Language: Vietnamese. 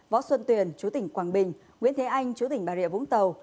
võ xuân tuyền chú tỉnh quảng bình nguyễn thế anh chú tỉnh bà rịa vũng tàu